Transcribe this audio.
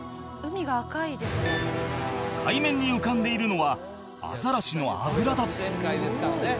海面に浮かんでいるのはアザラシのあぶらだ